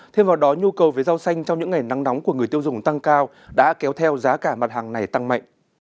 thêm vào đó nhu cầu về rau xanh trong những ngày nắng nóng của người tiêu dùng tăng cao đã kéo theo giá cả mặt hàng này tăng mạnh